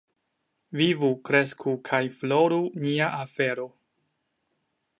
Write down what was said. Vivu, kresku kaj floru nia afero!